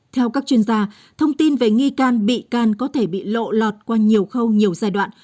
theo các chuyên gia thông tin về nghi can bị can có thể bị lộ lọt qua nhiều khâu nhiều giai đoạn